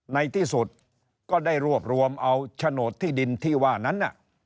ในที่สุดก็ได้รวบรวมเอาโฉนดที่ดินที่ว่านั้น